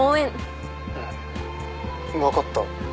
うん分かった。